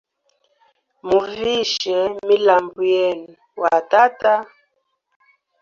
Muvishe milambu yenu wa tata.